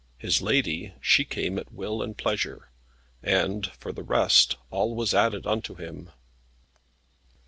His lady, she came at will and pleasure, and, for the rest, all was added unto him.